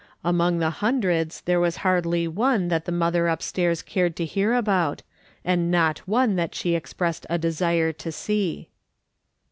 Among the hundreds there was hardly one that the mother upstairs cared to hear about, and not one that she expressed a desire to see.